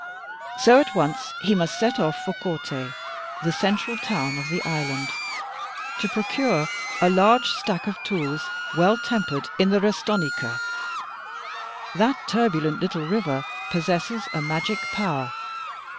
So at once he must set off for Corte, the central town of the island, to procure a large stock of tools well tempered in the Restonica. That turbulent little river possesses a magic power.